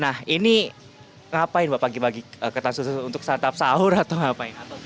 nah ini ngapain pak pagi pagi ketan susu untuk santap sahur atau ngapain